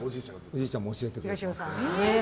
おじいちゃんも教えてくださって。